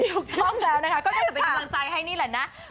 ถูกต้องแล้วนะคะก็จะไปกำลังใจให้นี่แหละนะ